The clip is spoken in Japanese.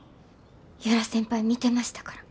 由良先輩見てましたから。